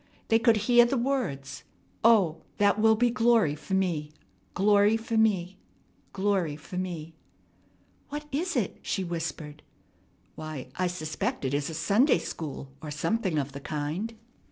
They could hear the words. "O, that will be glory for me, glory for me, glory for me " "What is it?" she whispered. "Why, I suspect it is a Sunday school or something of the kind."